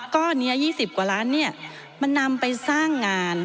ก็เนี่ย๒๐กว่าล้านเนี่ยมันนำไปสร้างงาน